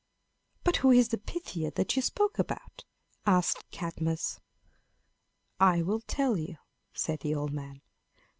"But who is the Pythia that you spoke about?" asked Cadmus. "I will tell you," said the old man.